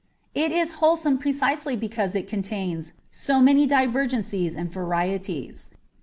It is wholesome precisely because it contains so many divergencies and varieties.